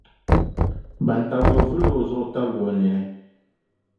bantabiga vili o zuɣu tabili o ninni.